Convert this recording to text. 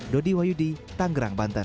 dodi wayudi tangerang banten